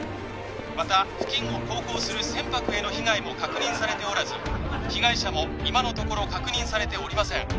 また付近を航行する船舶への被害も確認されておらず被害者も今のところ確認されておりません